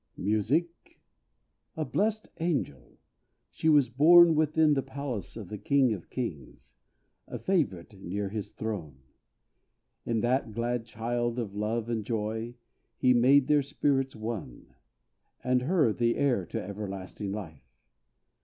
Music? A blessed angel! She was born Within the palace of the King of kings A favorite near his throne. In that glad child Of Love and Joy, he made their spirits one; And her, the heir to everlasting life!